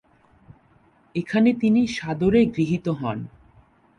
এখানে তিনি সাদরে গৃহীত হন।